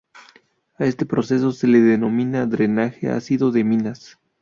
A este proceso se le denomina drenaje ácido de minas.